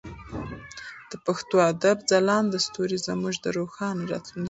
د پښتو ادب ځلانده ستوري زموږ د روښانه راتلونکي نښه ده.